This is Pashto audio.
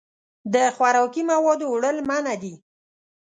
د خوراکي موادو وړل منع دي.